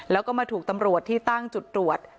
แล้วก็มาถูกตำรวจที่ตั้งจุดตรวจ